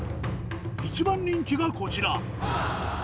一番人気がこちら。